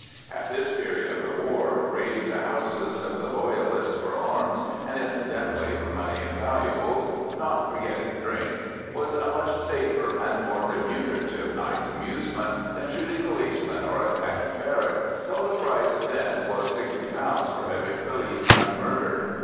At this period of the war, raiding the houses of the Loyalists for arms, and incidentally for money and valuables, not forgetting drink, was a much safer and more remunerative night's amusement than shooting policemen or attacking barracks, though the price then was £60 for every policeman murdered.